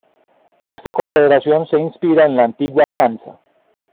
Esta confederación se inspira en la antigua Hansa.